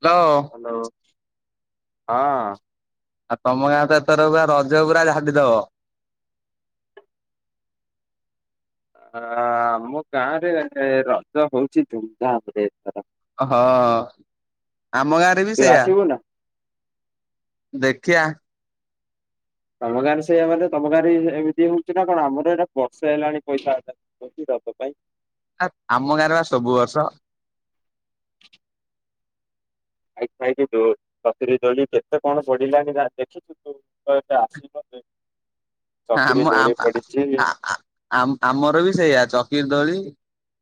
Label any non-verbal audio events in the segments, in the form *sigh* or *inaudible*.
ତ। ହାଲୋ, ହଁ। ଆଉ ତମ ଗାଁ ତ ଏଥର ପୁରା ରଜ ପୁରା ଝାଡିଦବ। ଅ ଆମ ଗାଁ ରେ ରଜ ହଉଛି ଧୁମଧାମ ରେ ଏଥର। ହଁ ଆମ ଗାଁ ରେ ବି ତୁ ସେଇୟା। ଆସିବୁ ନା ଦେଖିଆ। ତମ ଗାଁ ରେ ସେଇଆ ମାନେ ତମ ଗାଁରେ ବି ଏମିତି ହଉଛି ନା କଣ ଆମର ଏଇଟା ବର୍ଷେ ହେଲାଣି ପଇସା ଆଦାଏ ବେସି ପାଇଁ ଆ ଆମ ଗାଁରେ ବା ସବୁ ବର୍ଷ। *inaudible* ଖାଇ ଖାଇକି ତୁର ଚକିରି ଦୋଳି କେତେ କଣ ପଡ଼ିଲାଣି ରା ଦେଖିଛୁ ତୁ ତ ଏ ଆସି ପା ଆମ ଆମ ପଡିଛି ଆ ଆ ଆ ଆମ ଆ ଆମର ବି ସେଇଆା ଚକିରି ଦୋଳି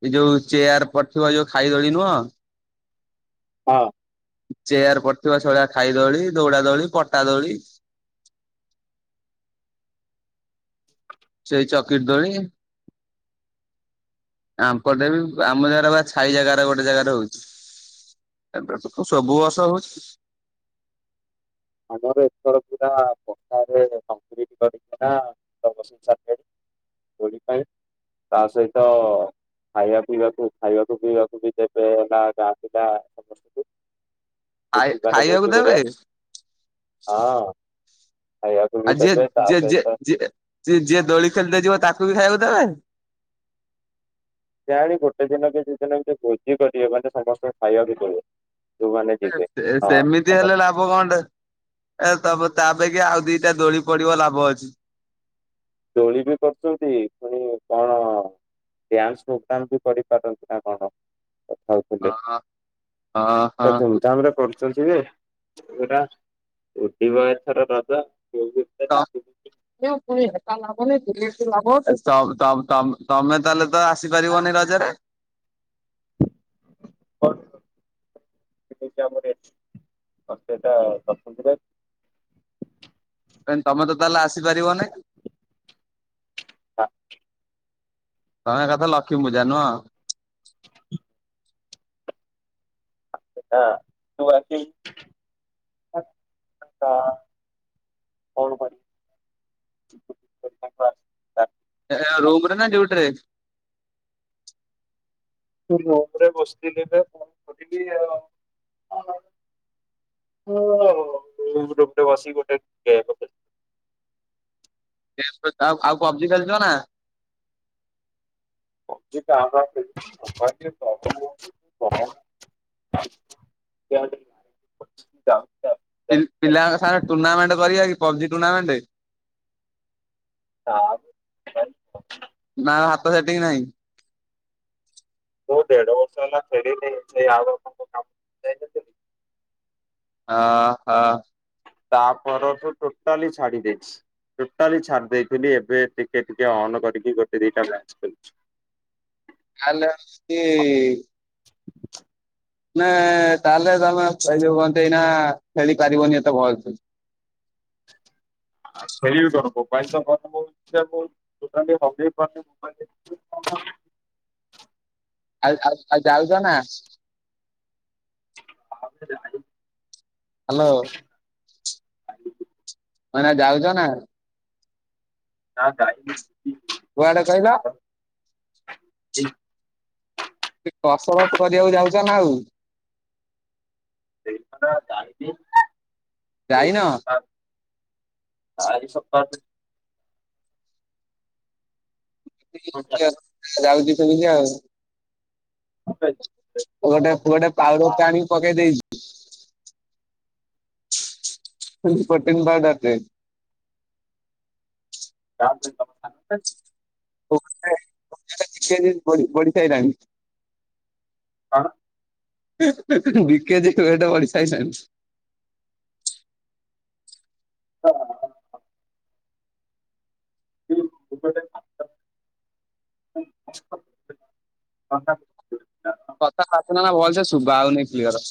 ଏଇ ଯୋଉ ଚେୟାର ପଡିଥିବ ଯୋଉ ଖାଇଦୋଳି ନୁହଁ? ହଁ। ଚେୟାର ପଡିଥିବା ଶେଇଭଳିଆ ଖାଇ ଦୋଳି ଦୌଡା ଦୋଳି ପଟା ଦୋଳି। ସେଇ ଚକିରି ଦୋଳି। ଆମପଟେ ବି ଆମ ଜାଗାରେ ବା ଛାଇ ଜାଗାରେ ଗୋଟେ ଜାଗାରେ ହଉଛି। ଏବେ ତ ସବୁ ବର୍ଷ ହଉଛି। ଆମର ଏପଟେ ପୁରା ହାଟ। ରେ ଅଙ୍କୁରି *unintelligible* ଚାକେରି ଦୋଳି ପାଇଁ। ତା ସହିତ ଖାଇବା ପିଇବାକୁ ଖାଇବାକୁ ପିଇବାକୁ ବି ଦେବେ ହେଲା ଗାଁ ପିଲା ସମସ୍ତଙ୍କୁ। ଆୟା ଭୋଜିମାନେ ଖାଇବାକୁ ଭୋଜି ଭଳିଆ ଦେବେ? ହଁ। ଖାଇବାକୁ ବି ଆଉ ଯିଏ ଦେବେ ତା ଯିଏ ଯିଏ ସହିତ ଯିଏ ଯିଏ ଯିଏ ଦୋଳି ଖେଳି ତେ ଯିବ ତାକୁ ବି ଖାଇବାକୁ ଦେବେ। କିଆଁଣି ଗୋଟେ ଦିନ କି ଦି ଦିନ ଏମିତି ଭୋଜି କରିବେ ମାନେ ସମସ୍ତଙ୍କୁ ଖାଇବାକୁ ଦେବେ। ଯୋଉମାନେ ଏ ଯିବେ। ସେ ହଁ ସେମିତି ସମ ହେଲେ ଲା ଭ କଣ ଟେ ଏ ତବ ତା ଅପେକ୍ଷା ଆଉ ଦିଟା ଦୋଳି ପଡିବ ଲାଭ ଅଛି। ଦୋଳି ବି କରୁଛନ୍ତି ପୁଣି କଣ ଡ୍ୟାନ୍ସ୍ ପୋଗ୍ରାମ୍ ବି କରିପାରନ୍ତି ନା କଣ କଥା ହ ହଁ ହଁ *unintelligible* ହଁ। ଧୁମଧାମ ରେ କରୁ ଛନ୍ତି ଯେ ଏଇଟା ଉଡ଼ିବ ଏଥର ରଜ କେ ତ ତମ୍ ତମ୍ ତମ୍ ତମେ ତାହେଲେ ତ ଆସିପାରିବନି ରଜରେ? *unintelligible* *unintelligible* କାଇଁ ତମେ ତ ତାହେଲେ ଆସି ପାରିବନି? ହଁ। ତମେ ଏକାଥରେ ଲକ୍ଷ୍ମୀ ପୂଜା ନୁହଁ? ହ ତୁ ବାକି *unintelligible* କଣ ପାଇଁ ତାକୁ ଏ ଆ ରୁମ୍ ରେ ନା ଡିଉଟିରେ? ରୁମରେ ବସିଥିଲି ତ କଣ କରିବି ଆ-ଆ ରୁମରେ ଟେ ବସିକି ଗୋଟେ ଗେମ୍ ଖେଳୁଥିଲି। ଆଉ ଆଉ ପବଜି ଖେଳୁଛ ନା? *unintelligible* *unintelligible* ପି ପିଲାଙ୍କ ସାଙ୍ଗେ ଟୁର୍ଣ୍ଣାମେଣ୍ଟ କରିବା କି ପବଜି ଟୁର୍ଣ୍ଣାମେଣ୍ଟ? ହଁ। ନା ହାତ ସେଟିଙ୍ଗ୍ ନାହିଁ? ମୁଁ ଦେଢ ବର୍ଷ ହେଲା ଖେଳିନି ସେ ଆଉ *unintelligible* ଆ-ଆ-ଆ ହାଁ। ତା ପରଠୁ ଟୋଟାଲି ଛାଡି ଦେଇଛି। ଟୋଟାଲି ଛାଡି ଦେଇଥିଲି ଏବେ ଟିକେ ଟିକେ ଅନ୍ କରିକି ଗୋଟେ ଦିଟା ମ୍ୟାଚ୍ ଖେଳୁଛି। ଆଲୋ ସ୍କି-ଇ-ଇ-ଇ ନା-ଆ-ଆ-ଆ ତାହେଲେ ତମେ ଏଇ ଯୋଉ କଣ ତ ଏଇନା-ଆ-ଆ-ଆ ଖେଳି ପାରିବନି ଏତେ ଭଲସେ। *inaudible* *unintelligible* *unintelligible* ଆ ଆଉ ଆଉ ଯାଉଛ ନା? ହଁ *unintelligible* ହାଲୋ। *unintelligible* ମାନେ ଯାଉଛ ନା? ନା ଯାଇନି। କୁଆଡେ କହିଲ? କି କସରତ କରିବାକୁ ଯାଉଛ ନା ଆଉ? *unintelligible* ଯାଇନ? ଚାରି ସପ୍ତାହ *unintelligible* *unintelligible* ଯାଉଛି ସେମିତି ଆଉ। ଗୋଟେ ପୁଅଟେ ପାଉଡରଟେ ଆଣିକି ପକେଇ ଦେଇଛି। ଏ ପ୍ରୋଟିନ୍ ପାଉଡର୍ ଟେ। *unintelligible* *unintelligible* କିଛି ହେଇନି ବଢ଼ି ବଢି ସାରିଲାଣି। କଣ? ବିକେ ଯେ ରେଟ୍ ବଢ଼ିସାରିଲାଣି। ହଁ ହ ହଁ। *unintelligible* କଥାବାର୍ତ୍ତା ନା ଭଲସେ ଶୁଭା ହଉନି କ୍ଲିୟର।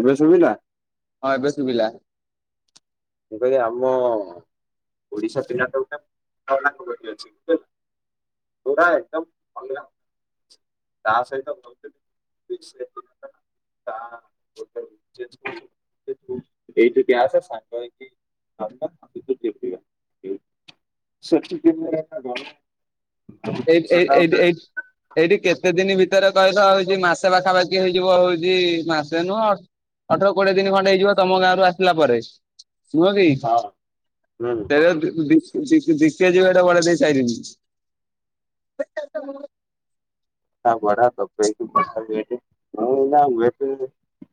ଏବେ ଶୁଭିଲା। ହଁ ଏବେ ଶୁଭିଲା। ମମୁଁ କହିଲେ ଆମ ଓଡିଶା ପିଲାଟା ଗୋଟେ ପୁଅଟା ଏକଦମ ବଙ୍ଗଲା ତା ସହିତ *unintelligible* *unintelligible* ଏଇଠି ଆସେ ସାଙ୍ଗ ହେଇକି *unintelligible* ଏଇଟ୍ ଏଇଟ୍ ସେଟା ଏଇଟ୍ ଗୋଟେ ଏଇଟ୍। ଏଇଠି କେତେ ଦିନ ଭିତରେ କହିଲ ହଉଛି ମାସେ ପାଖାପାଖି ହେଇଯିବ ହଉଛି ମାସେ ନୁହଁ ଅଠର କୋଡିଏ ଦିନ ଖଣ୍ଡେ ହେଇଯିବ ତମ ଗାଁରୁ ଆସିଲା ପରେ। ନୁହଁ କି ହଁ ହୁଁ ତେବେ ବି *unintelligible* *unintelligible* *unintelligible*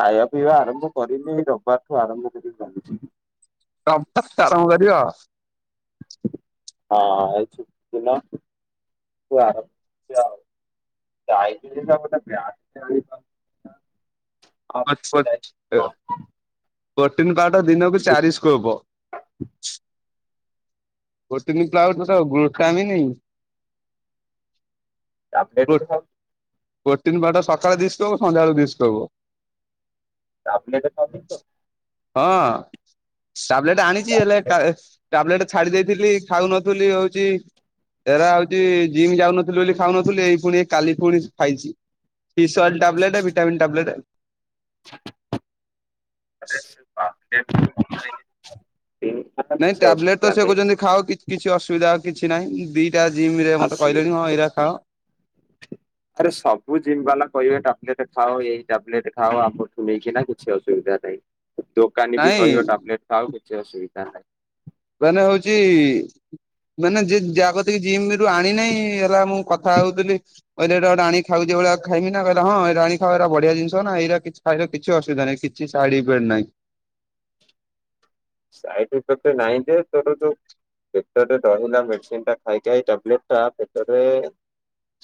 ଖାଇବା ପିଇବା ଆରମ୍ଭ କରିନି। ଏଇ ରବିବାର ଠୁ ଆରମ୍ଭ କରିକି ଭାବୁଛି। ରବିବାରଠୁ ଆରମ୍ଭ କରିବ। ହଁ ଛୁଟିଦିନ ଯାଇ *unintelligible* ପୋ ଯାଇଥିଲି କଣ ପ୍ରୋଟିନ୍ କଟ୍ ଦିନକୁ ଚାରି ସ୍କୋପ୍। *inaudible* ପ୍ରୋଟିନ୍ *unintelligible* ମତଲବ୍ ଗ୍ଲୁଟାମିନି। ଆମେ ଏଠୁ କେମିତି ଖାଉଛି? ଗୋଟିନ୍ ବାଟ ସକାଳେ ଦିଶୁଥିବ। ସନ୍ଧ୍ୟାବେଳେ ଦିଶୁଥିବ। *unintelligible* ହଁ ଟାବଲେଟ ଆଣିଛି ହେଲେ ଟାବଲେଟ ଛାଡି ଦେଇଥିଲି। ଖାଉନ ଥିଲି ହଉଛି ଏରା ହଉଛି ଜିମ୍ ଯାଉନଥିଲି ବୋଲି ଖାଉନଥିଲି ଏଇ ପୁଣି କାଲି ପୁଣି ଖାଇଛି ବିଶ୍ଵାଲ ଟ୍ୟାବଲେଟ ଭିଟାମନ୍ ଟ୍ୟାବଲେଟ *unintelligible* ନାଇଁ ଟ୍ୟାବଲେଟ ତ ସେ ହସ୍ପିଟାଲ କହୁଛନ୍ତି ଖାଅ କି କିଛି ଅସୁବିଧା ଆଉ କିଛି ନାହିଁ। ଦିଟା ଜିମ୍ ରେ ମତେ ଆସି କହିଲେଣି ହଁ ଏଇରା ଖାଅ। ଆରେ ସବୁ ଜିମ୍ ବାଲା କହିବେ ଟାବ୍ଲେଟ ଖାଓ ଏଇ ଟାବ୍ଲେଟ ଖାଓ ଆମଠୁ ନେଇକି ନା କିଛି ଅସୁବିଧା ନାହିଁ ଦୋକାନୀ ବି ନାଇଁ କହିବ ଟାବ୍ଲେଟ ଖାଓ କିଛି ଅସୁବିଧା ନାହିଁ। ମାନେ ହଉଛି ମାନେ ଯେ ଯାହାକତିକି ଜିମ୍ ରୁ ଆଣି ନାହିଁ। ମୁଁ କଥା ହଉଥିଲି। କିହିଲି ଏଇଟା ଗୋଟେ ଖାଉ ଯେ ଭଳିଆ ଖାଇମି ନା କହିଲା ହଁ ଏଇଟା ଆଣିକି ଖାଓ ଏଇଟା ବଢିଆ ଜିନିଷ ନା ଏଇରା କିଛି ଖାଇ ର କିଛି ଅସୁବିଧା ନାହିଁ। କିଛି ସାଇଡଇଫେକ୍ଟ ନାହିଁ। ସାଇଡଇଫେକ୍ଟ ନାହିଁ ଯେ ତୋର ଯୋଉ ପେଟରେ ଡହୁନା ମେଡିସିନ ଟା ଖାଇ ଖାଇ ଟାବ୍ଲେଟ୍ ପେଟରେ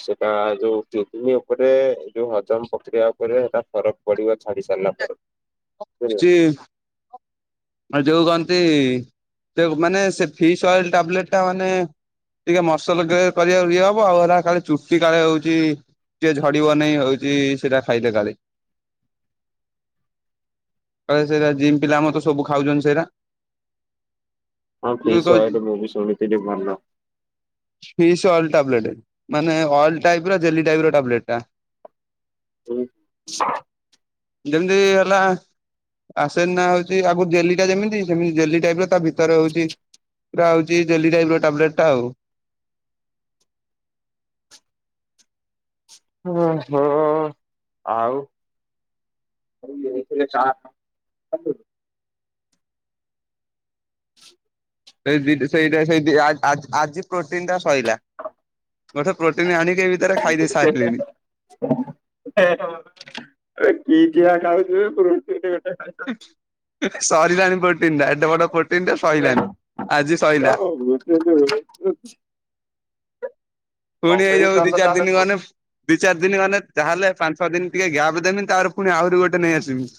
ସେଟା ଯୋଉ କିଡନୀ ଉପରେ ଯୋଉ ହଜମ ପ୍ରକ୍ରିୟା ଉପରେ ସେଇଟା ଫରକ ବଢିବା ଛାଡି ସାରିଲା ପରେ। ବୁଝିଲୁ ଯେ ମାନେ ଯୋଉ କହନ୍ତି। ମାନେ ସେ ଫିସ୍ ଅଏଲ ଟାବ୍ଲେଟ ଟା ମାନେ ଟିକେ ମସଲ ଗ୍ରେ କରିବାକୁ ଇଏ ହବ ଆଉ ହେଟା କାଳେ ଚୁଟି କାଳେ ହଉଛି ଟେ ଝଡିବ ନେଇ ହଉଛି ସେଟା ଖାଇଲେ କାଳେ। କ ସେଇଟା ଜିମ୍ ପିଲା ମାନେ ସବୁ ଖାଉଛନ୍ତି ସେଇଟା। ହଁ ଫିସ୍ ଅଏଟ୍ ମୁଁ ବି ଶୁଣିଥିଲି ଭଲ। ଫିସ୍ ଅଏଲ୍ ଟାବ୍ଲେଟ୍, ମାନେ ଅଏଲ ଟାଇପ୍ ର ଜେଲି ଟାଇପ୍ ର ଟାବ୍ଲେଟ୍ ଟା। ହଁ ଯେମିତି ହେଲା ଆସେନ ନା ହଉଛି ଆଗ ଜେଲି ଟା ଯେମିତି ସେମିତି ଜେଲି ଟାଇପ୍ ର ତା ଭି ତାର ହଉଛି ପୁରା ହଉଛି ଜେଲି ଟାଇପ୍ ର ଟାବ୍ଲେଟ ଟା ଆଉ। ଓ ହୋ ଆଉ *unintelligible* କା *unintelligible* ସେଇ ଜିଡ୍ ସେଇଟା ସେ ଆ ଆ ଆଜି ପ୍ରୋଟିନ ଟା ସୋଇଲା। ଗୋଟେ ପ୍ରୋଟିନ୍ ଆଣିକି ଏମି *unintelligible* ହେ ଏ କି କିଆ ଖାଉଛୁ ବେ ପ୍ରୋଟିନ ଗୋଟେ। ସରିଲାଣି ପ୍ରୋଟିନ ଟା, ଏଡେ ବଡ ପ୍ରୋଟିନ ଟା ସଇଲାଣିି, ଆଜି ସଇଲା। *unintelligible* ପୁଣି ହେଇଯାଉ ଦି କମ୍ପିଟିସନ ଚାରି ତାହେଲେ ଦିନ ଗନେ ଦି ଚାରି ଦିନ ଗନେ, ଯାହାହେଲେ ପାଞ୍ଚ ଛଅ ଦିନ ଟିକେ ଗ୍ୟାପ୍ ଦେମି ତାପରେ ପୁଣି ଆହୁରି ଗୋଟେ ନେଇ ଆସିବି।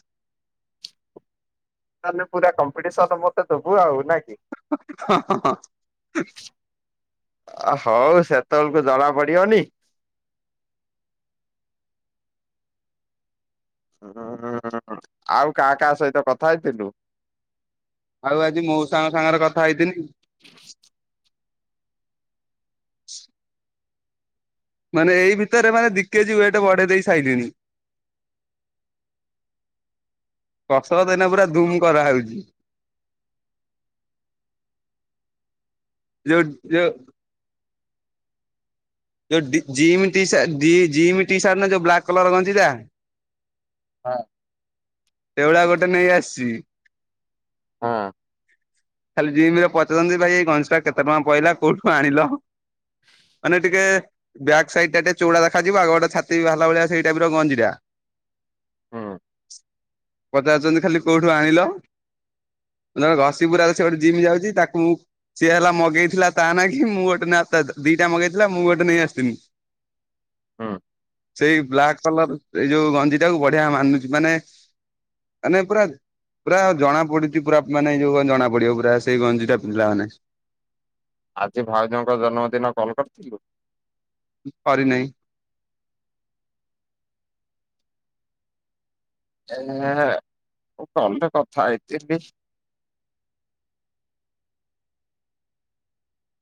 ତାହେଲେ ପୁରା କମ୍ପିଟିସନ୍ ମତେ ଦେବୁ ଆଉ ନା କି? ହଁ ହଁ ହଁ। ଓ ହଉ, ସେତେବେଳକୁ ଜଣା ପଡିବନି। ଉଁ ଆଉ କାହା କାହା ସହିତ କଥା ହେଇଥିଲୁ? ଆଉ ଆଜି ମଉଷାଙ୍କ ସାଙ୍ଗରେ କଥା ହେଇଥିନି। ମାନେ ଏଇ ଭିତରେ ମାନେ ଦି କେଜି ୱେଟ୍ ବଢେଇ ଦେଇ ସାଇଲିଣି। କସରତ୍ ଏଇନା ପୁରା ଧୁମ୍ କରାହଉଛି। ଜଉ ଯେ ଜଉ ଡି ଜିମ୍ ଟିସା ଜି -ଜିମ ଟିସା ଦିନ ଯୋଉ ବ୍ଲାକ୍ କଲର‌ ଗଞ୍ଜି ଟା ହଁ ସେଇଭଳିଆ ଗୋଟେ ନେଇ ଆସିଛି। ହଁ। ଖାଲି ଜିମିରେ ପଚାରୁଛନ୍ତି ଭାଇ ଏଇ ଗଞ୍ଜିଟା କେତେ ଟଙ୍କା ପଇଲା କୋଉଠୁ ଆଣିଲ। ମାନେ ଟିକେ ବ୍ୟାକ୍ ସାଇଡ ଟା ଟିକେ ଚଉଳା ଦେଖାଯିବ ଆଉ ଗୋଟେ ଛାତି ବାଲା ଭଳିଆ ସେଇ ଟାଇପର ଗଞ୍ଜି ଟା। ହୁଁ ପଚାରୁଛନ୍ତି ଖାଲି କୋଉଠୁ ଆଣିଲ ନଲେ ଘଷିପୁରା ସେ ଗୋଟେ ଜିମ୍ ଯାଉଛି ତାକୁ ମୁଁ ସିଏ ହେଲା ମଗେଇଥିଲା ତା ନାକି ମୁଁ ଗୋଟେ ନାଁ ଟା ଦିଟା ମଗେଇଥିଲା ମୁଁ ଗୋଟେ ନେଇ ଆସିଥିନି। ହଁ। ସେଇ ବ୍ଲାକ୍ କଲର ଏଇ ଯୋଉ ଗଞ୍ଜି ଟାକୁ ବଢିଆ ମାନୁଛି ମାନେ ମାନେ ପୁରା ପୁରା ଜଣା ପଡିଛି ପୁରା ମାନେ ଯୋଉ ଜଣା ପଡିବ ପୁରା ସେଇ ଗଞ୍ଜି ଟା ପୁରା ମାନେ ଆଜି ଭାଉଜଙ୍କ ଜନ୍ମଦିନ କଲ କରିଥିଲୁ? କରିନେଇ। ଏ କଲ୍ ରେ କଥା ହେଇଥିଲି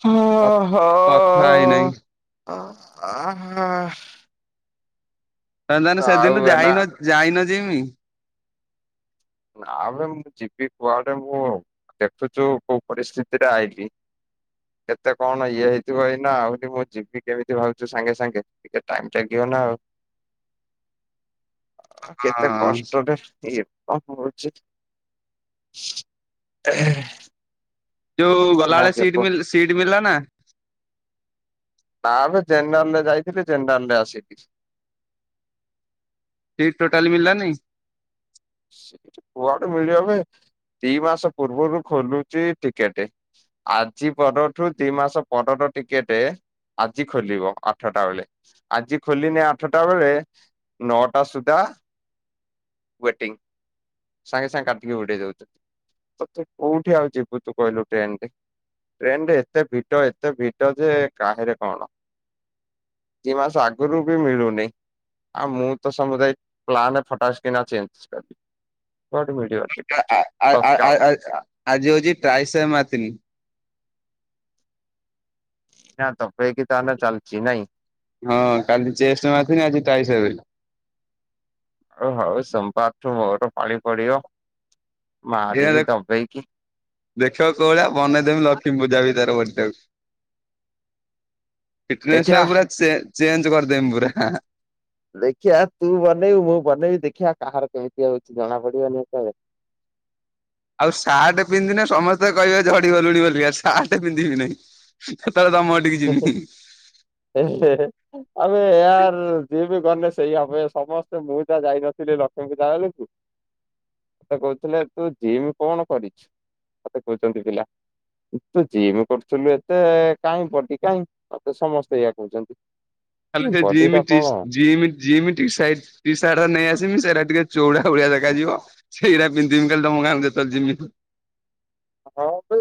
ହଁ ହଁ। ହାଇ ନାଇଁ। ଓ ଆହାଃ। ତା ତାହେଲେ ସେଦିନୁ ହେଲା ଯାଇନ ଯାଇନ ଯିମି ନାବେ ମୁଁ ଯିବି କୁଆଡେ ମୁଁ ଦେଖୁଛୁ କୋଉ ପରିସ୍ଥିତିରେ ଆଇଲିି। କେତେ କଣ ଇଏ ହେଇଥିବ ଏଇ ନା ଆହୁରି ମୁଁ ଯିବି କେମିତି ଭାବୁଛୁ ସାଙ୍ଗେ ସାଙ୍ଗେ ଟିକେ ଟାଇମ ଟାଗିିବ ନା ଆଉ। ଆ କେତେ ହଁ କଷ୍ଟରେ ଇଏ କଣ ହଉଛି *unintelligible* ଯୋଉ ନା ଗଲାବେଳେ ସିଟ ଦେବ ମି ସିଟ୍ ମିଳିଲା ନା? ନା ବେ ଜେନେରାଲ ରେ ଯାଇଥିଲି ଜେନେରାଲ ରେ ଆସିିଲି ସିଟ୍ ଟୋଟାଲି ମିିଳିଲାନି? ସିଟ୍ କୁଆଡେ ମିଳିବ ବେ ଦି ମାସ ପୂର୍ବରୁ ଖୋଲୁଛି ଟିକେଟ ଆଜି ପରଠୁ ଦି ମାସ ପରର ଟିକେଟ ଆଜି ଖୋଲିବ ଆଠଟା ବେଳେ ଆଜି ଖୋଲିଲେ ଆଠଟା ବେଳେ ନଅଟା ସୁଦ୍ଧା ୱେଟିଂ ସାଙ୍ଗେ ସାଙ୍ଗେ କାଟିକି ଉଡ଼େଇ ଦଉଚନ୍ତି। ତଥାପି କୋଉଠି ଆଉ ଯିବୁତୁ କହିଲୁ ଟ୍ରେନରେ। ଟ୍ରେନରେ ଏତେ ଭିଡ଼ ଏତେ ଭିଡ଼ଯେ କାହାରି କଣ। ଦିମାସେ ଆଗରୁବି ମିଳୁନି ଆଉମୁତ ସମୁଦାୟ ପ୍ଲାନ ଫଟା କିନା ଚେଞ୍ଜକଲି କୁଆଡ଼ୁମିଳିବ। ଆଁ ଆଁ ଆଁ ଆଁ ଆଁ ଆଜି ହଉଚି ଟ୍ରାଇଶହ ମାତନୀ ନା ଦବେଇକି ତାହାନେ ଚାଲିଚି ନାଇଁ। ହଁ କାଲି ଚେଷ୍ଟ ମାରିଥିନି ଆଜି ଟାଇସେ *unintelligible* ଓଉ ହଉ ସୋମବାରଠୁ ମୋର ପାଳି ପଡ଼ିବ ଏଇନା ମାରିବି ଦେଖ ଦବେଇକି‌। ଦେଖିବ କୋଉଭଳିଆ ବନେଇଦମି ଲକ୍ଷ୍ମୀ ପୂଜା ଭିତରେ ବଡିଟାକୁ। ଫିଟନସ୍ ଦେଖିଆ ଟାକୁ ପୁରା ଚେ ଚେଞ୍ଜ କରିଦେବି ପୁରା ହା ହା। ଦେଖିଆ ତୁବନେଇବୁ ମୁବନେଇବି ଦେଖିଆ କାହାର କେମିତି ହଉଚି ଜଣା ପଡ଼ିବନି ହେତେଳେ। ଆଉ ସାର୍ଟ ପିନ୍ଧିନେ ସମସ୍ତେ କହିବେ ଝଡ଼ିଗଲୁଣି ବୋଲି ଆଉ ସାର୍ଟ ପିନ୍ଧିମିନେଇ। ସେତେବେଳେ ତମଘଟିକି ଯିମି ହୁଁ। ଏହେ ହେ। ଆରେ ଏୟାର ଯିଏବି ଗନେ ସେଇ ଆମେ ସମସ୍ତେ ମୁଯାଯାଇନଥିଲି ଲକ୍ଷ୍ମୀପୂଜା ବେଳକୁ *inaudible* ସେକଉଥିଲେ ତୁଜିମ୍ କଣ କରିଛୁ? ମତେ କହୁଚନ୍ତି ପିଲା ତୁଜିମ୍ କରୁଥିଲୁ ଏତେ କାଇଁ ବଡି କାଇଁ ମତେ ସମସ୍ତେ ଏଇଆ କଉଚନ୍ତି। ଖାଲିସେଇ ଜିମ୍-ଟିସ୍-ଜିମ୍ ଯିମ୍ ଟିସାଇଟି ଟିସାଟ୍ ନେଇଆସିମି ସେରା ଟିକେ ଚୋଉଡ଼ାଭଳିଆ ଦେଖାଯିବ। ସେଇରା ପିନ୍ଧିମି ଖାଲି ତମ ଗାଁକୁ ଜେତେବେଳେ ଯିମି। ହଁ ବେ